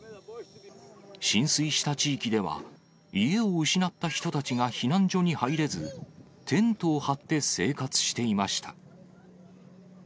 浸水した地域では、家を失った人たちが避難所に入れず、テントを張って生活していました。